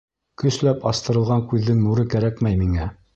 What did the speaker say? Көсләп астырылған күҙҙең нуры кәрәкмәй миңә.